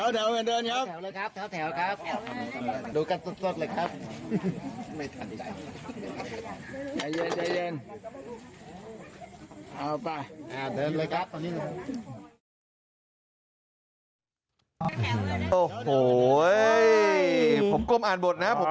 ดูกันสดเลยครับ